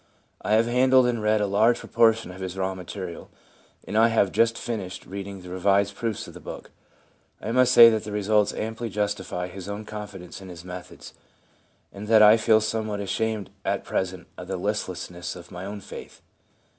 I have handled and read a large proportion of his raw material, and I have just finished reading the revised proofs of the book. I must say that the results amply justify his own confidence in his methods, and that I feel somewhat ashamed at present of the littleness of my own faith.